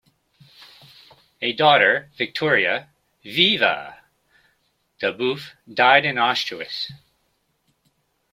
A daughter, Vittoria "Viva" Daubeuf, died in Auschwitz.